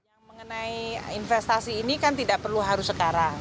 yang mengenai investasi ini kan tidak perlu harus sekarang